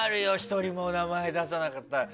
１人も名前出さなかったら。